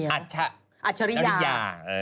อัจฉริยา